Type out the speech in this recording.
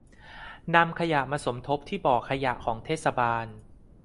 นำขยะมาสมทบที่บ่อขยะของเทศบาล